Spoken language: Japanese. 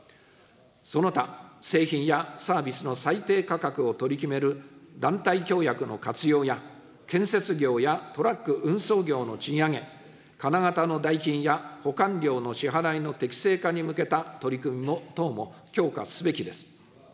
その他、製品やサービスの最低価格を取り決める団体協約の活用や、建設業やトラック運送業の賃上げ、金型の代金や保管料の支払いの適正化に向けた取り組み等も強化すべきです。